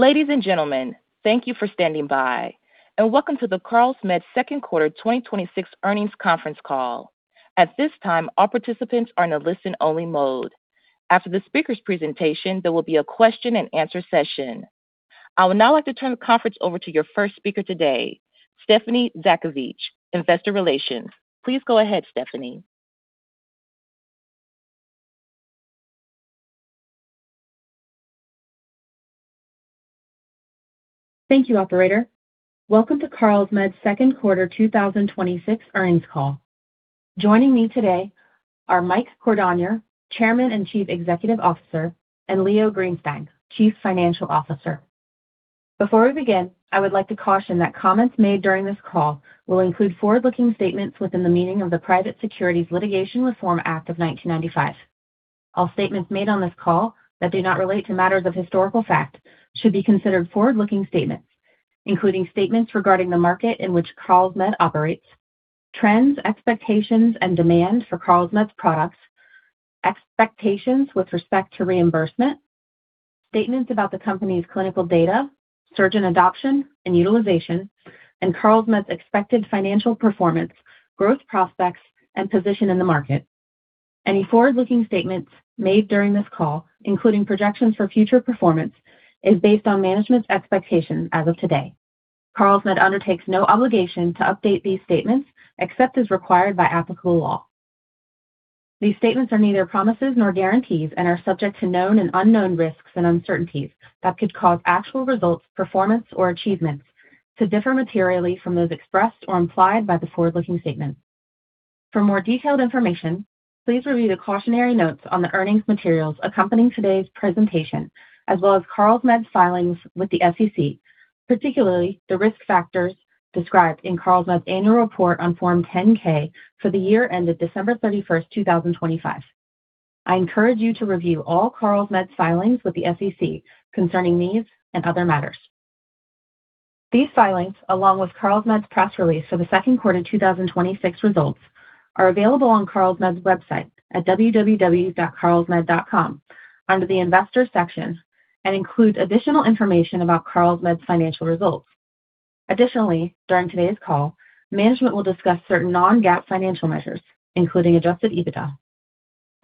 Ladies and gentlemen, thank you for standing by, and welcome to the Carlsmed second quarter 2026 earnings conference call. At this time, all participants are in a listen-only mode. After the speaker's presentation, there will be a question and answer session. I would now like to turn the conference over to your first speaker today, Stephanie Zhadkevich, Investor Relations. Please go ahead, Stephanie. Thank you, operator. Welcome to Carlsmed's second quarter 2026 earnings call. Joining me today are Mike Cordonnier, Chairman and Chief Executive Officer, and Leo Greenstein, Chief Financial Officer. Before we begin, I would like to caution that comments made during this call will include forward-looking statements within the meaning of the Private Securities Litigation Reform Act of 1995. All statements made on this call that do not relate to matters of historical fact should be considered forward-looking statements, including statements regarding the market in which Carlsmed operates, trends, expectations, and demand for Carlsmed's products, expectations with respect to reimbursement, statements about the company's clinical data, surgeon adoption and utilization, and Carlsmed's expected financial performance, growth prospects, and position in the market. Any forward-looking statements made during this call, including projections for future performance, is based on management's expectations as of today. Carlsmed undertakes no obligation to update these statements except as required by applicable law. These statements are neither promises nor guarantees and are subject to known and unknown risks and uncertainties that could cause actual results, performance, or achievements to differ materially from those expressed or implied by the forward-looking statements. For more detailed information, please review the cautionary notes on the earnings materials accompanying today's presentation, as well as Carlsmed's filings with the SEC, particularly the risk factors described in Carlsmed's annual report on Form 10-K for the year ended December 31st, 2025. I encourage you to review all Carlsmed's filings with the SEC concerning these and other matters. These filings, along with Carlsmed's press release for the second quarter 2026 results, are available on Carlsmed's website at www.carlsmed.com under the Investors section and include additional information about Carlsmed's financial results. Additionally, during today's call, management will discuss certain non-GAAP financial measures, including adjusted EBITDA.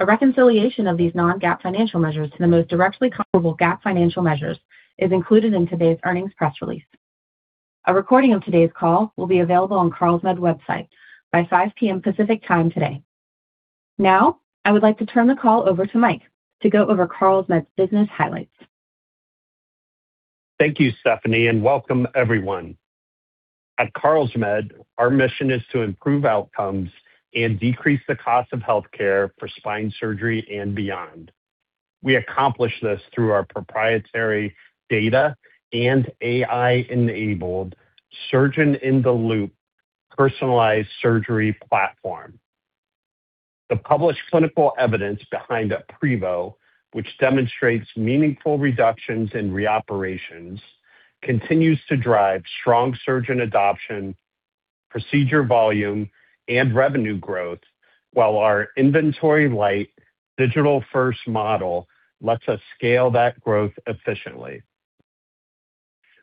A reconciliation of these non-GAAP financial measures to the most directly comparable GAAP financial measures is included in today's earnings press release. A recording of today's call will be available on Carlsmed's website by 5:00 P.M. Pacific Time today. Now, I would like to turn the call over to Mike to go over Carlsmed's business highlights. Thank you, Stephanie, and welcome everyone. At Carlsmed, our mission is to improve outcomes and decrease the cost of healthcare for spine surgery and beyond. We accomplish this through our proprietary data and AI-enabled surgeon-in-the-loop personalized surgery platform. The published clinical evidence behind aprevo, which demonstrates meaningful reductions in reoperations, continues to drive strong surgeon adoption, procedure volume, and revenue growth, while our inventory-light, digital-first model lets us scale that growth efficiently.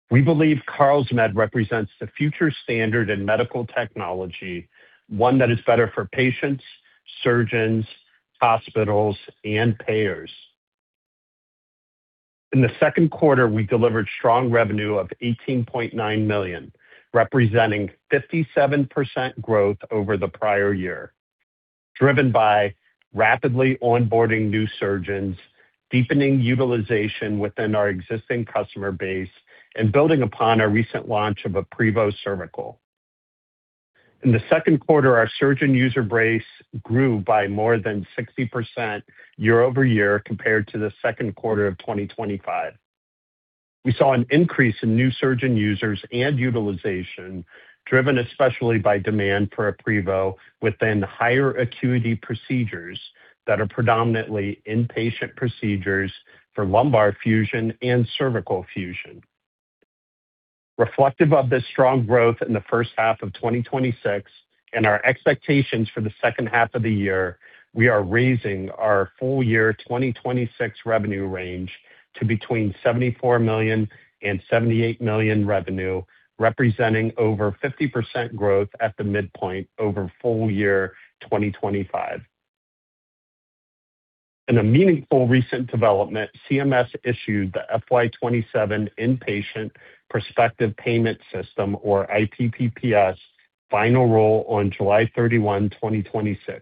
We believe Carlsmed represents the future standard in medical technology, one that is better for patients, surgeons, hospitals, and payers. In the second quarter, we delivered strong revenue of $18.9 million, representing 57% growth over the prior year, driven by rapidly onboarding new surgeons, deepening utilization within our existing customer base, and building upon our recent launch of aprevo Cervical. In the second quarter, our surgeon user base grew by more than 60% year-over-year compared to the second quarter of 2025. We saw an increase in new surgeon users and utilization, driven especially by demand for aprevo within higher acuity procedures that are predominantly inpatient procedures for lumbar fusion and cervical fusion. Reflective of this strong growth in the first half of 2026 and our expectations for the second half of the year, we are raising our full year 2026 revenue range to between $74 million and $78 million revenue, representing over 50% growth at the midpoint over full year 2025. In a meaningful recent development, CMS issued the FY 2027 Inpatient Prospective Payment System, or IPPS, final rule on July 31, 2026.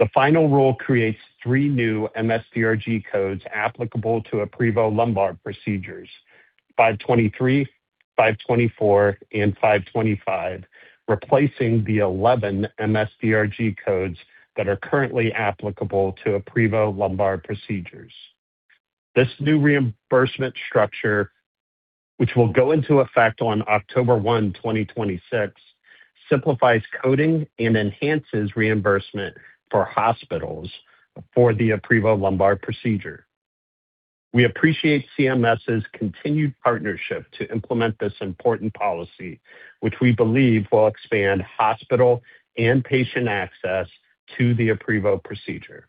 The final rule creates 3 new MS-DRG codes applicable to aprevo lumbar procedures, 523, 524, and 525, replacing the 11 MS-DRG codes that are currently applicable to aprevo lumbar procedures. This new reimbursement structure, which will go into effect on October 1, 2026, simplifies coding and enhances reimbursement for hospitals for the aprevo lumbar procedure. We appreciate CMS's continued partnership to implement this important policy, which we believe will expand hospital and patient access to the aprevo procedure.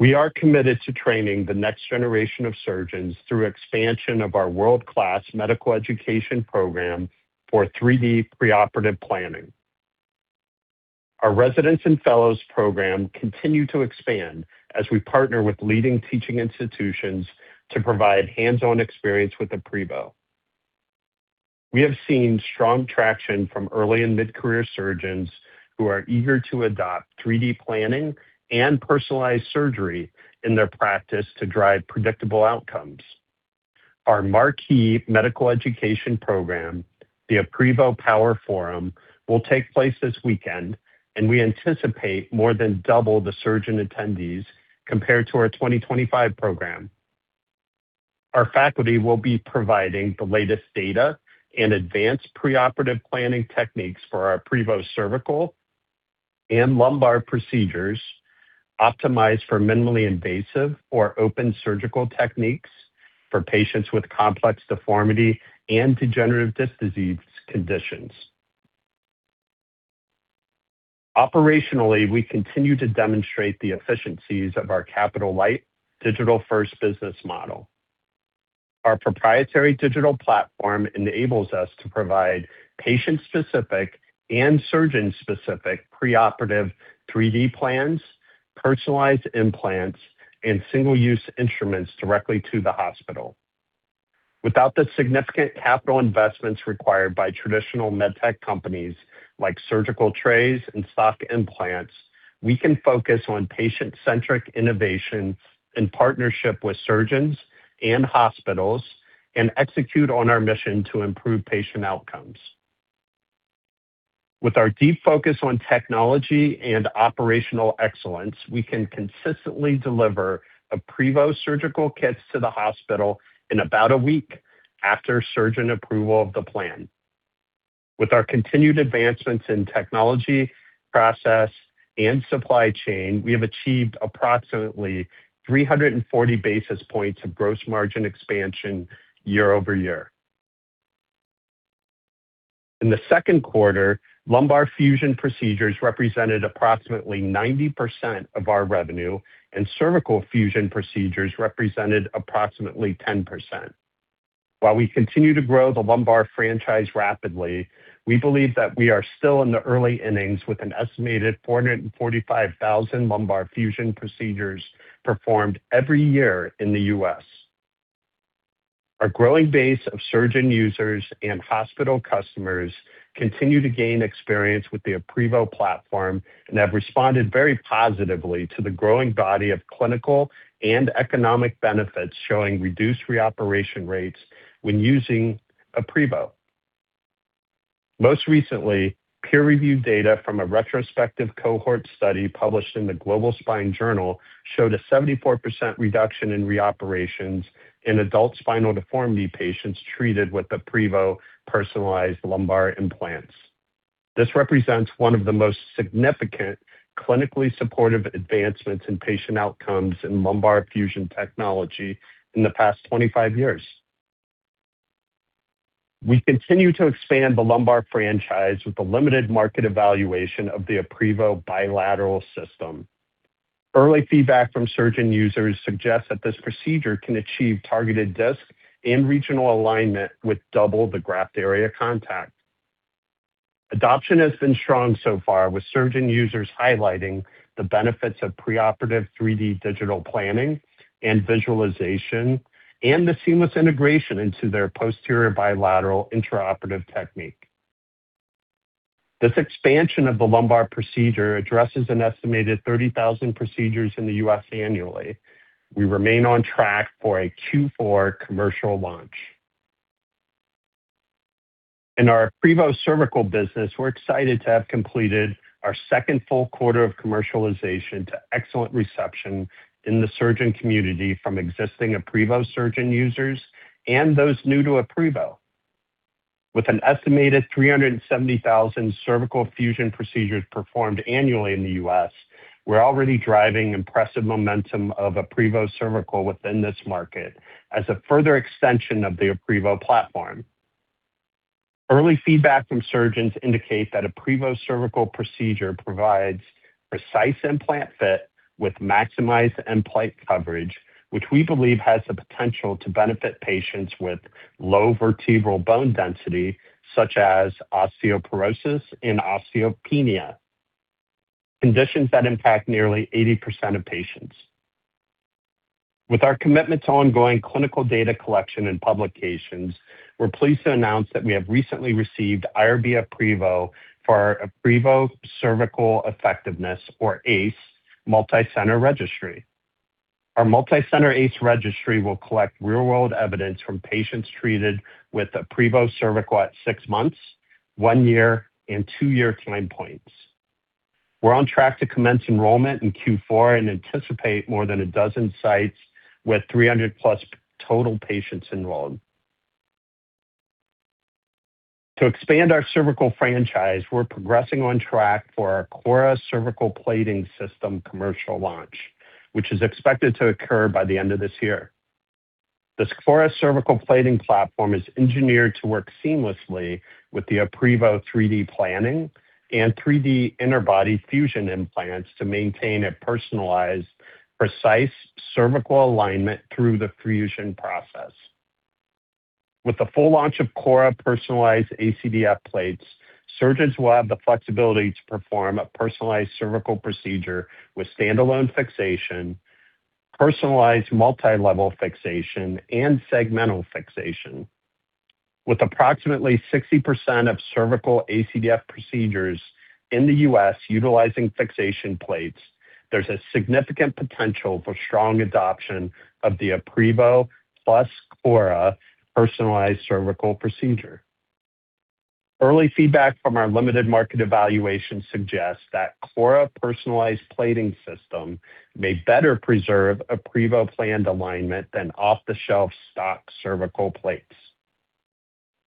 We are committed to training the next generation of surgeons through expansion of our world-class medical education program for 3D preoperative planning. Our residents and fellows program continue to expand as we partner with leading teaching institutions to provide hands-on experience with the aprevo. We have seen strong traction from early and mid-career surgeons who are eager to adopt 3D planning and personalized surgery in their practice to drive predictable outcomes. Our marquee medical education program, the aprevo Power Forum, will take place this weekend, and we anticipate more than double the surgeon attendees compared to our 2025 program. Our faculty will be providing the latest data and advanced preoperative planning techniques for our aprevo Cervical and lumbar procedures, optimized for minimally invasive or open surgical techniques for patients with complex deformity and degenerative disc disease conditions. Operationally, we continue to demonstrate the efficiencies of our capital-light, digital-first business model. Our proprietary digital platform enables us to provide patient-specific and surgeon-specific preoperative 3D plans, personalized implants, and single-use instruments directly to the hospital. Without the significant capital investments required by traditional med tech companies like surgical trays and stock implants, we can focus on patient-centric innovation in partnership with surgeons and hospitals and execute on our mission to improve patient outcomes. With our deep focus on technology and operational excellence, we can consistently deliver aprevo surgical kits to the hospital in about a week after surgeon approval of the plan. With our continued advancements in technology, process, and supply chain, we have achieved approximately 340 basis points of gross margin expansion year-over-year. In the second quarter, lumbar fusion procedures represented approximately 90% of our revenue, and cervical fusion procedures represented approximately 10%. While we continue to grow the lumbar franchise rapidly, we believe that we are still in the early innings with an estimated 445,000 lumbar fusion procedures performed every year in the U.S. Our growing base of surgeon users and hospital customers continue to gain experience with the aprevo platform and have responded very positively to the growing body of clinical and economic benefits, showing reduced reoperation rates when using aprevo. Most recently, peer-reviewed data from a retrospective cohort study published in the "Global Spine Journal" showed a 74% reduction in reoperations in adult spinal deformity patients treated with aprevo personalized lumbar implants. This represents one of the most significant clinically supportive advancements in patient outcomes in lumbar fusion technology in the past 25 years. We continue to expand the lumbar franchise with the limited market evaluation of the aprevo bi-lateral system. Early feedback from surgeon users suggests that this procedure can achieve targeted disc and regional alignment with double the graft area contact. Adoption has been strong so far, with surgeon users highlighting the benefits of preoperative 3D digital planning and visualization and the seamless integration into their posterior bilateral intraoperative technique. This expansion of the lumbar procedure addresses an estimated 30,000 procedures in the U.S. annually. We remain on track for a Q4 commercial launch. In our aprevo Cervical business, we're excited to have completed our second full quarter of commercialization to excellent reception in the surgeon community from existing aprevo surgeon users and those new to aprevo. With an estimated 370,000 cervical fusion procedures performed annually in the U.S., we're already driving impressive momentum of aprevo Cervical within this market as a further extension of the aprevo platform. Early feedback from surgeons indicates that aprevo Cervical procedure provides precise implant fit with maximized end plate coverage, which we believe has the potential to benefit patients with low vertebral bone density, such as osteoporosis and osteopenia, conditions that impact nearly 80% of patients. With our commitment to ongoing clinical data collection and publications, we're pleased to announce that we have recently received IRB approval for our aprevo Cervical Effectiveness, or ACE, Multicenter Registry. Our multicenter ACE registry will collect real-world evidence from patients treated with aprevo Cervical at six months, one year, and two-year time points. We're on track to commence enrollment in Q4 and anticipate more than a dozen sites with 300-plus total patients enrolled. To expand our cervical franchise, we're progressing on track for our corra Cervical Plating System commercial launch, which is expected to occur by the end of this year. The corra cervical plating platform is engineered to work seamlessly with the aprevo 3D planning and 3D interbody fusion implants to maintain a personalized, precise cervical alignment through the fusion process. With the full launch of corra personalized ACDF plates, surgeons will have the flexibility to perform a personalized cervical procedure with standalone fixation, personalized multilevel fixation, and segmental fixation. With approximately 60% of cervical ACDF procedures in the U.S. utilizing fixation plates, there's a significant potential for strong adoption of the aprevo plus corra Personalized Cervical Procedure. Early feedback from our limited market evaluation suggests that corra Personalized Plating System may better preserve aprevo planned alignment than off-the-shelf stock cervical plates.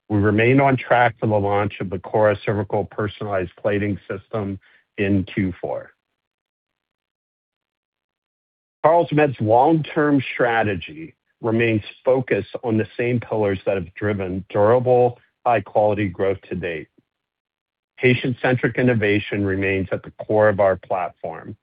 We remain on track for the launch of the corra Cervical Personalized Plating System in Q4. Carlsmed's long-term strategy remains focused on the same pillars that have driven durable, high-quality growth to date. Patient-centric innovation remains at the core of our platform.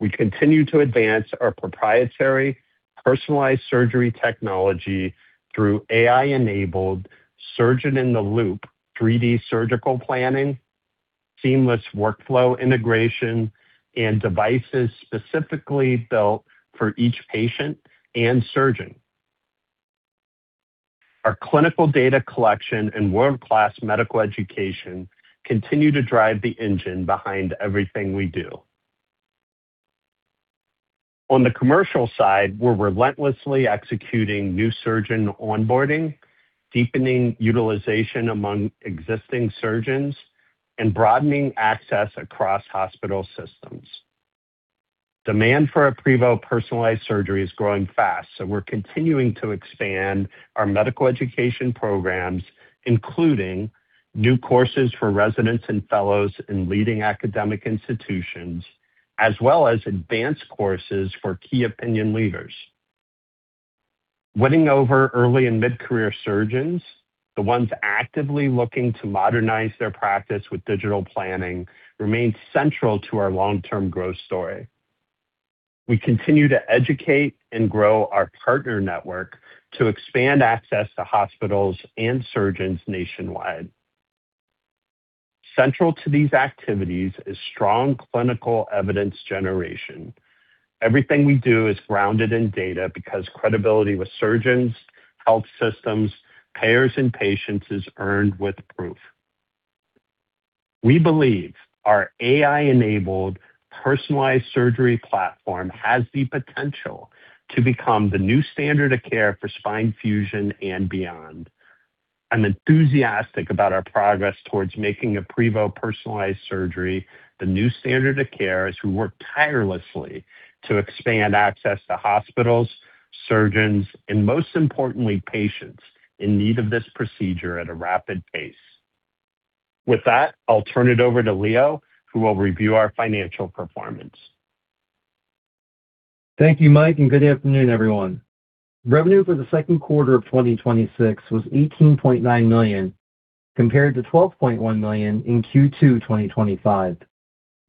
We continue to advance our proprietary personalized surgery technology through AI-enabled surgeon in the loop 3D surgical planning, seamless workflow integration, and devices specifically built for each patient and surgeon. Our clinical data collection and world-class medical education continue to drive the engine behind everything we do. On the commercial side, we're relentlessly executing new surgeon onboarding, deepening utilization among existing surgeons, and broadening access across hospital systems. Demand for aprevo personalized surgery is growing fast, so we're continuing to expand our medical education programs, including new courses for residents and fellows in leading academic institutions, as well as advanced courses for key opinion leaders. Winning over early and mid-career surgeons, the ones actively looking to modernize their practice with digital planning, remains central to our long-term growth story. We continue to educate and grow our partner network to expand access to hospitals and surgeons nationwide. Central to these activities is strong clinical evidence generation. Everything we do is grounded in data because credibility with surgeons, health systems, payers, and patients is earned with proof. We believe our AI-enabled personalized surgery platform has the potential to become the new standard of care for spine fusion and beyond. I'm enthusiastic about our progress towards making aprevo personalized surgery the new standard of care as we work tirelessly to expand access to hospitals, surgeons, and most importantly, patients in need of this procedure at a rapid pace. With that, I'll turn it over to Leo, who will review our financial performance. Thank you, Mike, and good afternoon, everyone. Revenue for the second quarter of 2026 was $18.9 million compared to $12.1 million in Q2 2025,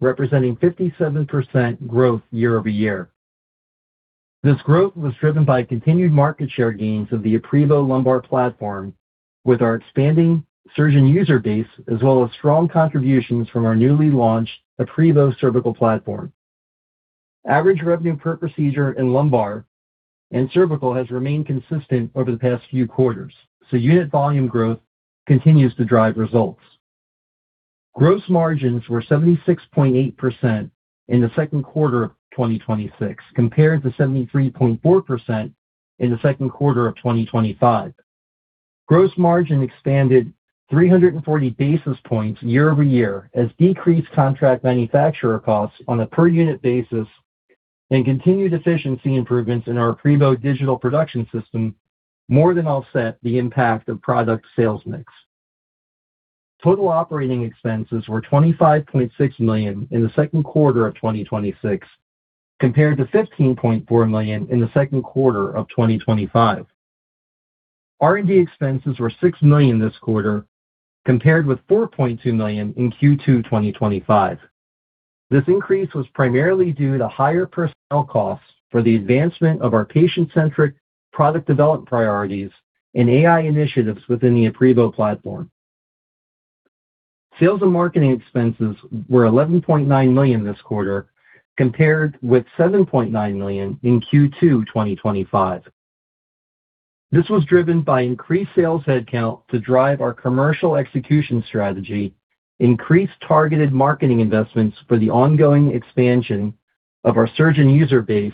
representing 57% growth year-over-year. This growth was driven by continued market share gains of the aprevo lumbar platform with our expanding surgeon user base, as well as strong contributions from our newly launched aprevo Cervical platform. Average revenue per procedure in lumbar and cervical has remained consistent over the past few quarters, so unit volume growth continues to drive results. Gross margins were 76.8% in the second quarter of 2026, compared to 73.4% in the second quarter of 2025. Gross margin expanded 340 basis points year-over-year as decreased contract manufacturer costs on a per unit basis and continued efficiency improvements in our aprevo digital production system more than offset the impact of product sales mix. Total operating expenses were $25.6 million in the second quarter of 2026, compared to $15.4 million in the second quarter of 2025. R&D expenses were $6 million this quarter, compared with $4.2 million in Q2 2025. This increase was primarily due to higher personnel costs for the advancement of our patient-centric product development priorities and AI initiatives within the aprevo platform. Sales and marketing expenses were $11.9 million this quarter, compared with $7.9 million in Q2 2025. This was driven by increased sales headcount to drive our commercial execution strategy, increased targeted marketing investments for the ongoing expansion of our surgeon user base,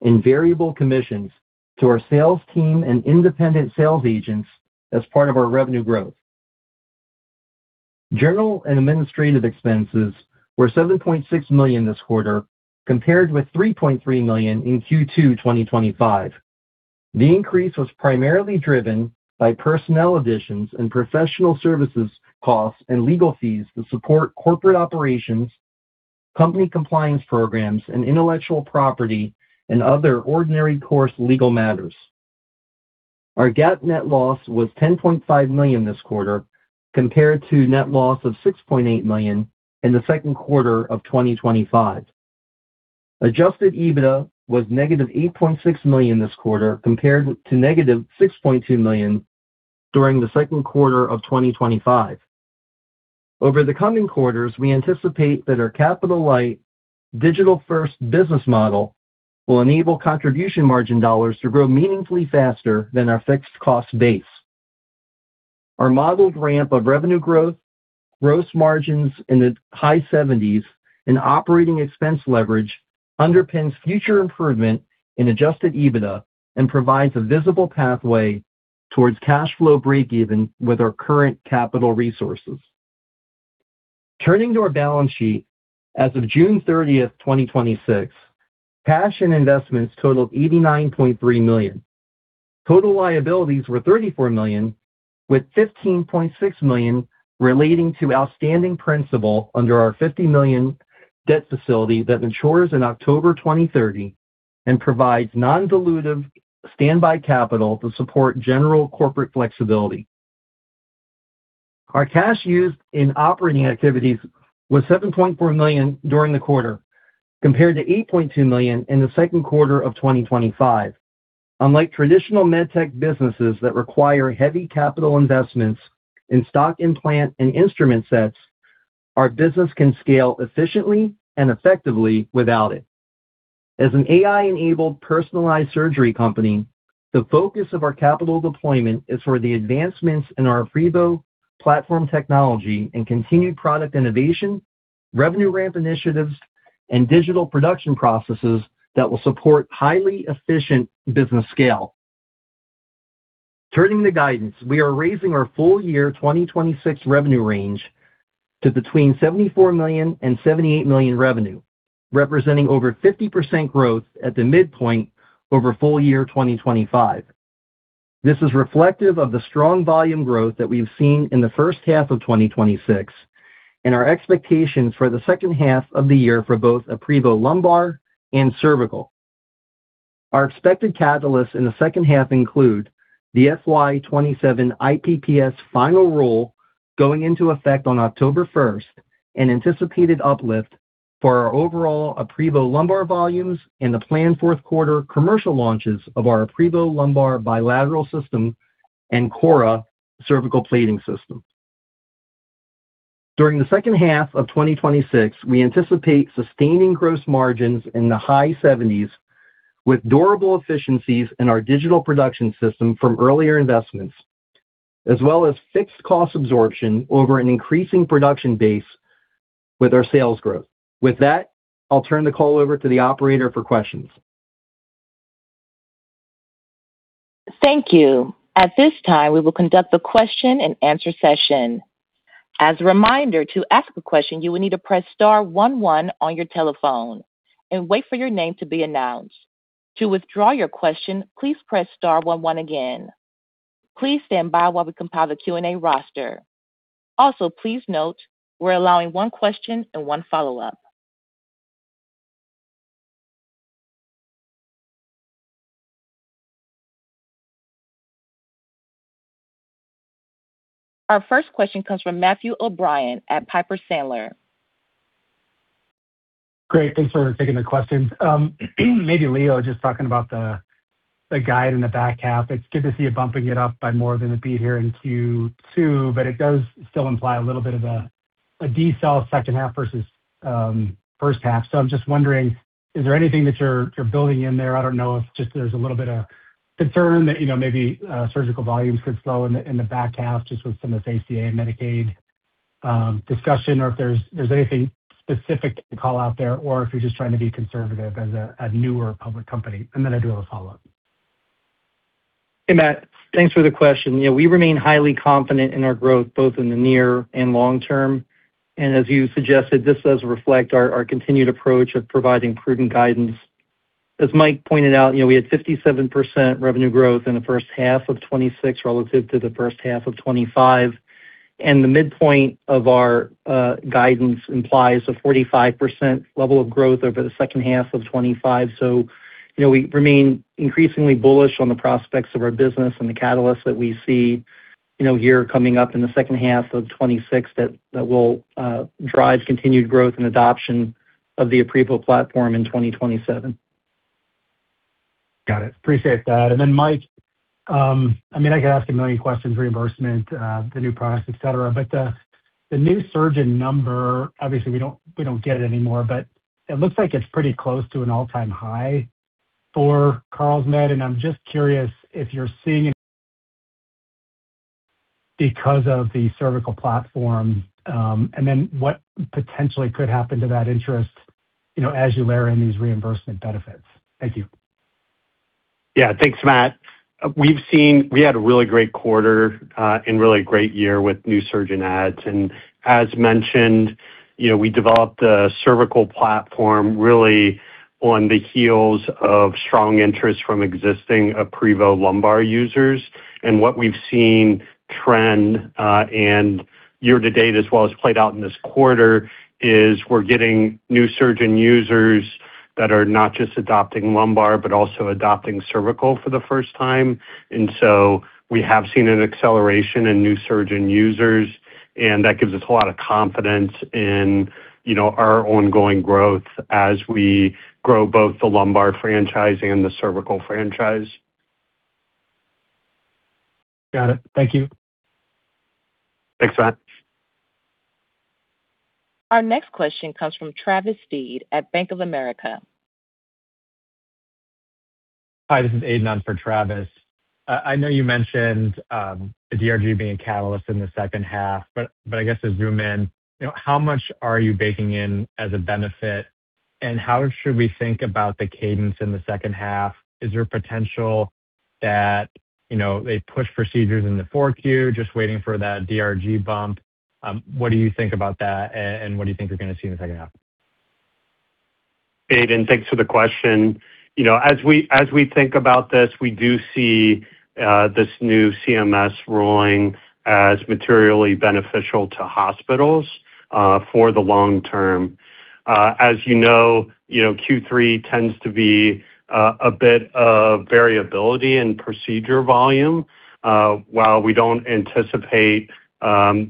and variable commissions to our sales team and independent sales agents as part of our revenue growth. General and administrative expenses were $7.6 million this quarter, compared with $3.3 million in Q2 2025. The increase was primarily driven by personnel additions and professional services costs and legal fees to support corporate operations, company compliance programs, and intellectual property and other ordinary course legal matters. Our GAAP net loss was $10.5 million this quarter, compared to net loss of $6.8 million in the second quarter of 2025. Adjusted EBITDA was negative $8.6 million this quarter, compared to negative $6.2 million during the second quarter of 2025. Over the coming quarters, we anticipate that our capital-light, digital-first business model will enable contribution margin dollars to grow meaningfully faster than our fixed cost base. Our modeled ramp of revenue growth, gross margins in the high 70s, and operating expense leverage underpins future improvement in adjusted EBITDA and provides a visible pathway towards cash flow break even with our current capital resources. Turning to our balance sheet, as of June 30th, 2026, cash and investments totaled $89.3 million. Total liabilities were $34 million, with $15.6 million relating to outstanding principal under our $50 million debt facility that matures in October 2030 and provides non-dilutive standby capital to support general corporate flexibility. Our cash used in operating activities was $7.4 million during the quarter, compared to $8.2 million in the second quarter of 2025. Unlike traditional medtech businesses that require heavy capital investments in stock, in plant, and instrument sets, our business can scale efficiently and effectively without it. As an AI-enabled personalized surgery company, the focus of our capital deployment is for the advancements in our aprevo platform technology and continued product innovation, revenue ramp initiatives, and digital production processes that will support highly efficient business scale. Turning to guidance, we are raising our full year 2026 revenue range to between $74 million and $78 million revenue, representing over 50% growth at the midpoint over full year 2025. This is reflective of the strong volume growth that we've seen in the first half of 2026 and our expectations for the second half of the year for both aprevo lumbar and aprevo Cervical. Our expected catalysts in the second half include the FY 2027 IPPS final rule going into effect on October 1st, an anticipated uplift for our overall aprevo lumbar volumes and the planned fourth quarter commercial launches of our aprevo bi-lateral system and corra Cervical Plating System. During the second half of 2026, we anticipate sustaining gross margins in the high 70s with durable efficiencies in our digital production system from earlier investments, as well as fixed cost absorption over an increasing production base with our sales growth. With that, I'll turn the call over to the operator for questions. Thank you. At this time, we will conduct the question and answer session. As a reminder, to ask a question, you will need to press star one one on your telephone and wait for your name to be announced. To withdraw your question, please press star one one again. Please stand by while we compile the Q&A roster. Please note we're allowing one question and one follow-up. Our first question comes from Matthew O'Brien at Piper Sandler. Great. Thanks for taking the questions. Maybe Leo, just talking about the guide in the back half, it's good to see you bumping it up by more than a beat here in Q2, but it does still imply a little bit of a decel second half versus first half. I'm just wondering, is there anything that you're building in there? I don't know if just there's a little bit of concern that maybe surgical volumes could slow in the back half just with some of this ACA and Medicaid discussion, or if there's anything specific to call out there, or if you're just trying to be conservative as a newer public company. I do have a follow-up. Hey, Matt. Thanks for the question. We remain highly confident in our growth, both in the near and long term. As you suggested, this does reflect our continued approach of providing prudent guidance. As Mike pointed out, we had 57% revenue growth in the first half of 2026 relative to the first half of 2025. The midpoint of our guidance implies a 45% level of growth over the second half of 2025. We remain increasingly bullish on the prospects of our business and the catalysts that we see here coming up in the second half of 2026 that will drive continued growth and adoption of the aprevo platform in 2027. Got it. Appreciate that. Mike, I could ask a million questions, reimbursement, the new products, et cetera, but the new surgeon number, obviously we don't get it anymore, but it looks like it's pretty close to an all-time high for Carlsmed, and I'm just curious if you're seeing any because of the cervical platform. What potentially could happen to that interest as you layer in these reimbursement benefits? Thank you. Yeah. Thanks, Matt. We had a really great quarter and really great year with new surgeon adds. As mentioned, we developed a cervical platform really on the heels of strong interest from existing aprevo lumbar users. What we've seen Trend, and year-to-date as well as played out in this quarter, is we're getting new surgeon users that are not just adopting lumbar but also adopting cervical for the first time. We have seen an acceleration in new surgeon users, and that gives us a lot of confidence in our ongoing growth as we grow both the lumbar franchise and the cervical franchise. Got it. Thank you. Thanks, Matt. Our next question comes from Travis Steed at Bank of America. Hi, this is Aiden on for Travis. I know you mentioned, the DRG being a catalyst in the second half, I guess to zoom in, how much are you baking in as a benefit, and how should we think about the cadence in the second half? Is there potential that they push procedures in the 4Q, just waiting for that DRG bump? What do you think about that, and what do you think you're going to see in the second half? Aiden, thanks for the question. As we think about this, we do see this new CMS ruling as materially beneficial to hospitals for the long term. As you know, Q3 tends to be a bit of variability in procedure volume. While we don't anticipate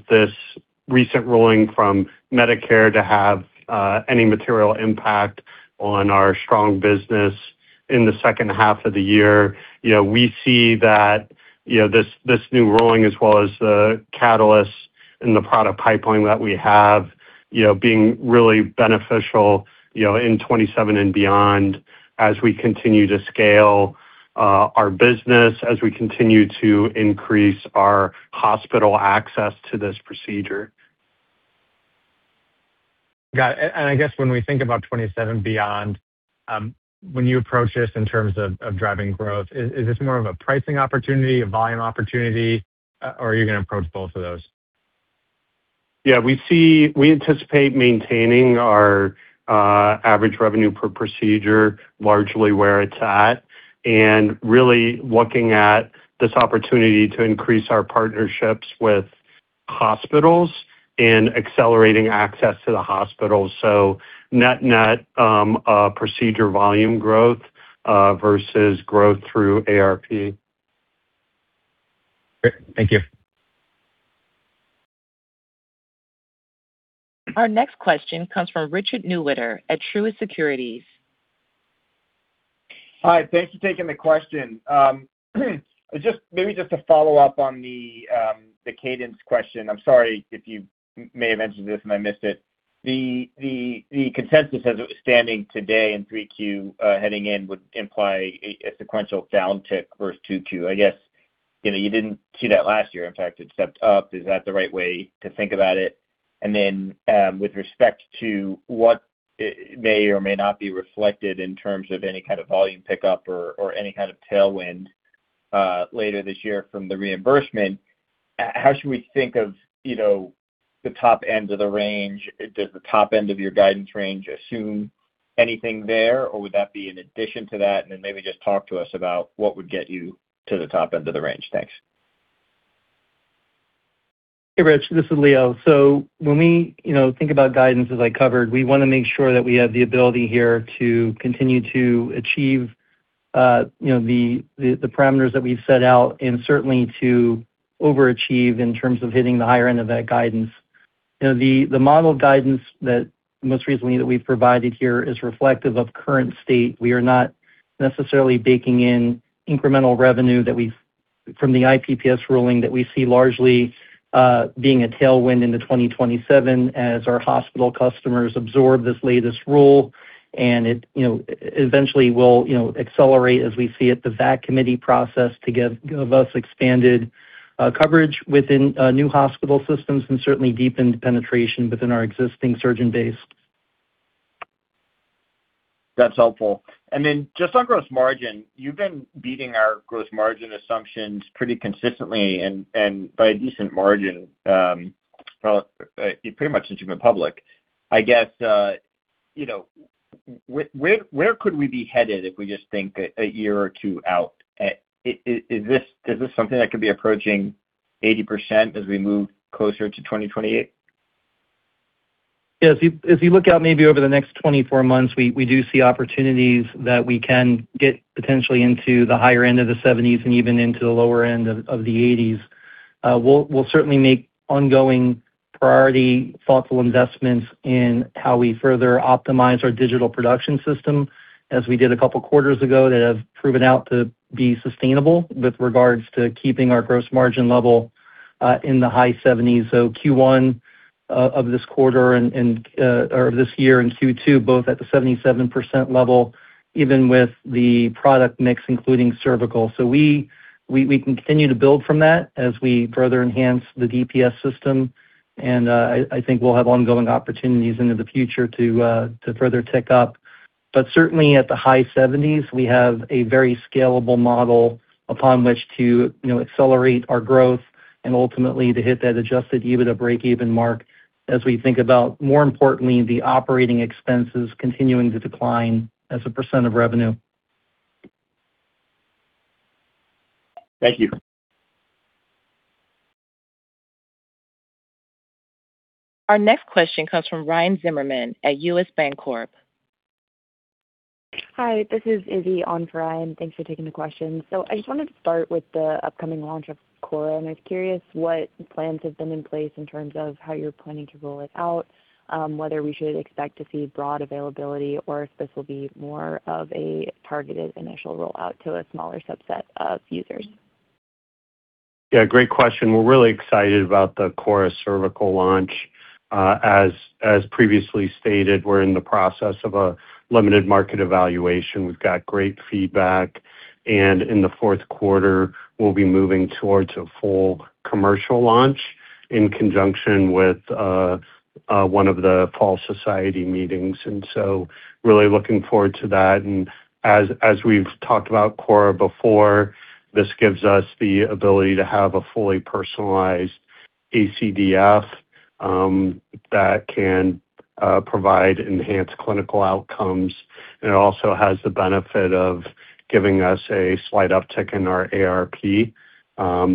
this recent ruling from Medicare to have any material impact on our strong business in the second half of the year. We see that this new ruling as well as the catalyst in the product pipeline that we have, being really beneficial in 2027 and beyond as we continue to scale our business, as we continue to increase our hospital access to this procedure. Got it. I guess when we think about 2027 beyond, when you approach this in terms of driving growth, is this more of a pricing opportunity, a volume opportunity, or are you going to approach both of those? Yeah. We anticipate maintaining our average revenue per procedure largely where it's at, and really looking at this opportunity to increase our partnerships with hospitals and accelerating access to the hospitals. Net-net, procedure volume growth, versus growth through ARP. Great. Thank you. Our next question comes from Richard Newitter at Truist Securities. Hi. Thanks for taking the question. Maybe just to follow up on the cadence question. I'm sorry if you may have mentioned this and I missed it. The consensus as it was standing today in 3Q heading in would imply a sequential down tick versus 2Q. I guess you didn't see that last year. In fact, it stepped up. Is that the right way to think about it? With respect to what may or may not be reflected in terms of any kind of volume pickup or any kind of tailwind later this year from the reimbursement, how should we think of the top end of the range? Does the top end of your guidance range assume anything there, or would that be in addition to that? Maybe just talk to us about what would get you to the top end of the range. Thanks. Hey, Rich. This is Leo. When we think about guidance, as I covered, we want to make sure that we have the ability here to continue to achieve the parameters that we've set out and certainly to overachieve in terms of hitting the higher end of that guidance. The model guidance that most recently that we've provided here is reflective of current state. We are not necessarily baking in incremental revenue from the IPPS ruling that we see largely being a tailwind into 2027 as our hospital customers absorb this latest rule. It eventually will accelerate as we see at the VAC committee process to give us expanded coverage within new hospital systems and certainly deepened penetration within our existing surgeon base. That's helpful. Just on gross margin, you've been beating our gross margin assumptions pretty consistently and by a decent margin, pretty much since you've been public. I guess, where could we be headed if we just think a year or two out? Is this something that could be approaching 80% as we move closer to 2028? Yeah. As you look out maybe over the next 24 months, we do see opportunities that we can get potentially into the higher end of the 70s and even into the lower end of the 80s. We'll certainly make ongoing priority thoughtful investments in how we further optimize our digital production system, as we did a couple of quarters ago that have proven out to be sustainable with regards to keeping our gross margin level, in the high 70s. Q1 of this quarter or this year and Q2 both at the 77% level, even with the product mix including cervical. We continue to build from that as we further enhance the DPS system. I think we'll have ongoing opportunities into the future to further tick up. Certainly at the high 70s, we have a very scalable model upon which to accelerate our growth and ultimately to hit that adjusted EBITDA breakeven mark as we think about, more importantly, the operating expenses continuing to decline as a % of revenue. Thank you. Our next question comes from Ryan Zimmerman at U.S. Bancorp. Hi, this is Izzy on for Ryan. Thanks for taking the question. I just wanted to start with the upcoming launch of corra, I was curious what plans have been in place in terms of how you're planning to roll it out, whether we should expect to see broad availability or if this will be more of a targeted initial rollout to a smaller subset of users. Yeah, great question. We're really excited about the corra Cervical launch. As previously stated, we're in the process of a limited market evaluation. We've got great feedback, in the fourth quarter, we'll be moving towards a full commercial launch in conjunction with one of the fall society meetings, really looking forward to that. As we've talked about corra before, this gives us the ability to have a fully personalized ACDF that can provide enhanced clinical outcomes. It also has the benefit of giving us a slight uptick in our ARP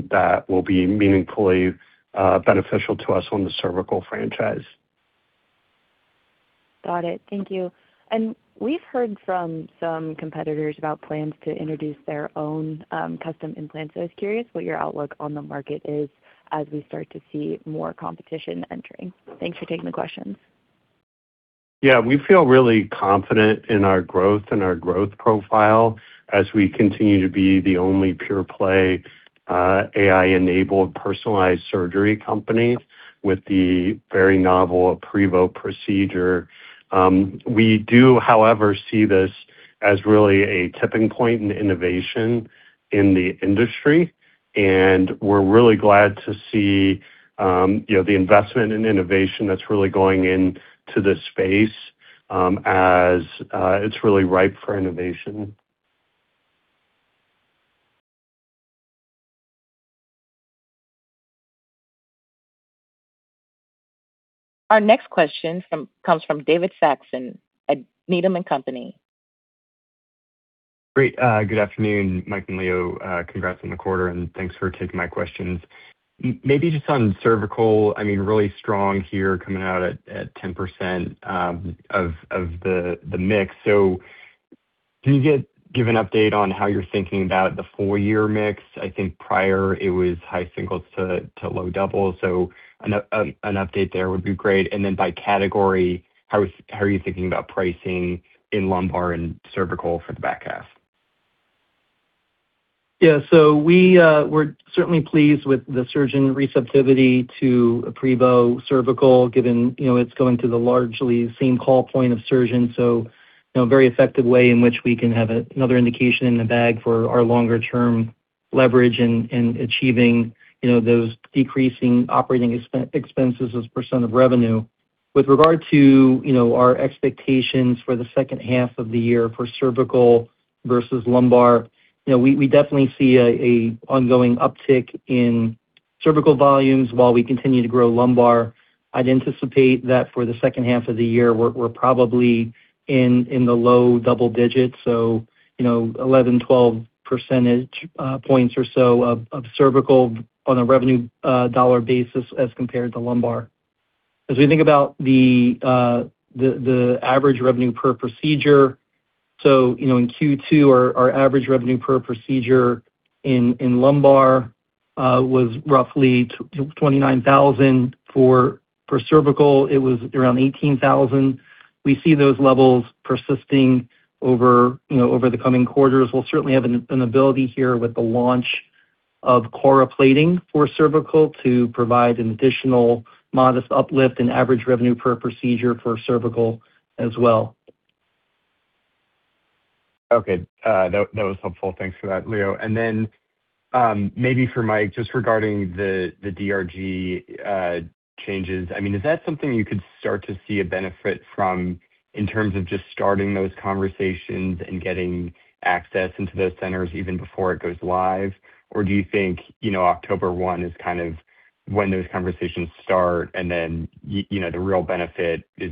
that will be meaningfully beneficial to us on the cervical franchise. Got it. Thank you. We've heard from some competitors about plans to introduce their own custom implants. I was curious what your outlook on the market is as we start to see more competition entering. Thanks for taking the questions. We feel really confident in our growth and our growth profile as we continue to be the only pure-play, AI-enabled personalized surgery company with the very novel aprevo procedure. We do, however, see this as really a tipping point in innovation in the industry, and we're really glad to see the investment in innovation that's really going into this space, as it's really ripe for innovation. Our next question comes from David Saxon at Needham & Company. Great. Good afternoon, Mike and Leo. Congrats on the quarter, thanks for taking my questions. Maybe just on cervical, really strong here coming out at 10% of the mix. Can you give an update on how you're thinking about the full-year mix? I think prior it was high singles to low doubles. An update there would be great. Then by category, how are you thinking about pricing in lumbar and cervical for the back half? Yeah. We're certainly pleased with the surgeon receptivity to aprevo Cervical, given it's going to the largely same call point of surgeon. A very effective way in which we can have another indication in the bag for our longer-term leverage in achieving those decreasing operating expenses as a % of revenue. With regard to our expectations for the second half of the year for cervical versus lumbar, we definitely see an ongoing uptick in cervical volumes while we continue to grow lumbar. I'd anticipate that for the second half of the year, we're probably in the low double digits, so 11, 12 percentage points or so of cervical on a revenue dollar basis as compared to lumbar. As we think about the average revenue per procedure. In Q2, our average revenue per procedure in lumbar was roughly $29,000. For cervical, it was around $18,000. We see those levels persisting over the coming quarters. We'll certainly have an ability here with the launch of corra plating for cervical to provide an additional modest uplift in average revenue per procedure for cervical as well. Okay. That was helpful. Thanks for that, Leo. Maybe for Mike, just regarding the DRG changes. Is that something you could start to see a benefit from in terms of just starting those conversations and getting access into those centers even before it goes live? Or do you think October 1 is kind of when those conversations start, and then the real benefit is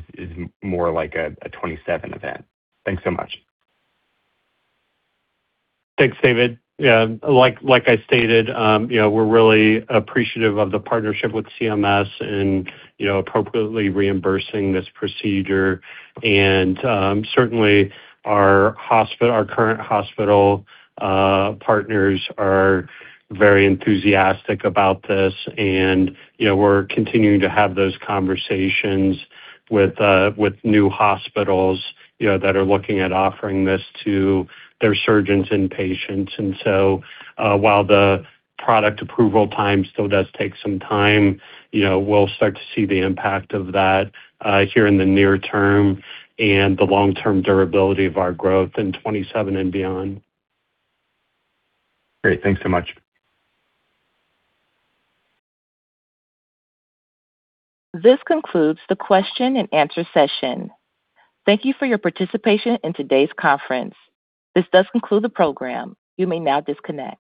more like a 2027 event? Thanks so much. Thanks, David. Yeah. Like I stated, we're really appreciative of the partnership with CMS and appropriately reimbursing this procedure. Our current hospital partners are very enthusiastic about this, and we're continuing to have those conversations with new hospitals that are looking at offering this to their surgeons and patients. While the product approval time still does take some time, we'll start to see the impact of that here in the near term and the long-term durability of our growth in 2027 and beyond. Great. Thanks so much. This concludes the question and answer session. Thank you for your participation in today's conference. This does conclude the program. You may now disconnect.